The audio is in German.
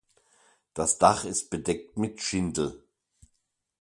Das Dach ist bedeckt mit Schindel.